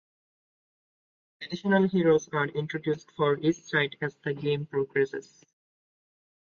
Additional heroes are introduced for each side as the game progresses.